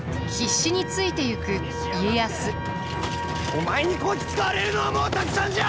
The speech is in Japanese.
お前にこき使われるのはもうたくさんじゃ！